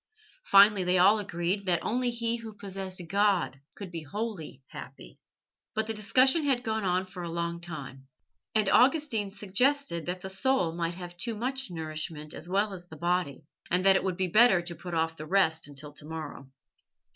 Finally they all agreed that only he who possessed God could be wholly happy. But the discussion had gone on for a long time, and Augustine suggested that the soul might have too much nourishment as well as the body, and that it would be better to put off the rest until to morrow.